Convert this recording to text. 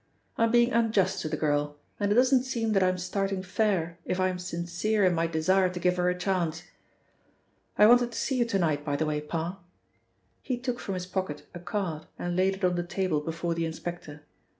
"I'm being unjust to the girl, and it doesn't seem that I'm starting fair if I am sincere in my desire to give her a chance. I wanted to see you to night, by the way, Parr." He took from his pocket a card and laid it on the table before the inspector.